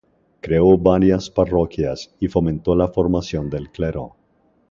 Creó varias parroquias y fomentó la formación del clero.